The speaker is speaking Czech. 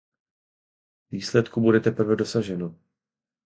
Výsledku bude teprve dosaženo.